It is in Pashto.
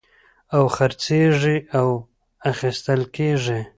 او خرڅېږي او اخيستل کېږي.